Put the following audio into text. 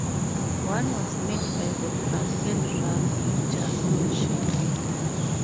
One was made by the drunken rabbi just mentioned.